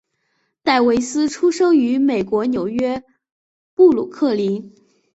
戴维斯出生于美国纽约布鲁克林。